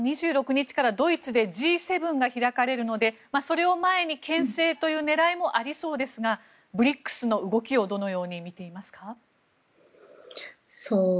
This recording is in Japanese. ２６日からドイツでＧ７が開かれるのでその前にけん制という狙いもありそうですがＢＲＩＣＳの動きをどのように見ていますか？